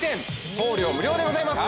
送料無料でございます